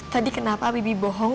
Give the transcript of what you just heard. tadi kenapa bibi bohong